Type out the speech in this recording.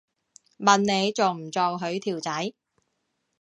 問你做唔做佢條仔